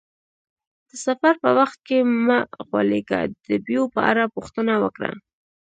د سفر په وخت کې مه غولیږه، د بیو په اړه پوښتنه وکړه.